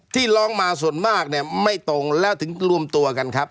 ที่ร้องมาส่วนมากเนี่ยไม่ตรงแล้วถึงรวมตัวกันครับ